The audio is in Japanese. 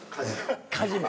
カジマ？